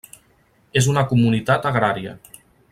És una comunitat agrària.